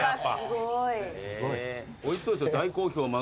おいしそうですよ。